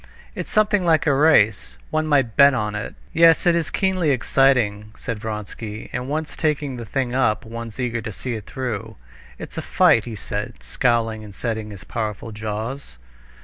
"It's something like a race. One might bet on it." "Yes, it is keenly exciting," said Vronsky. "And once taking the thing up, one's eager to see it through. It's a fight!" he said, scowling and setting his powerful jaws.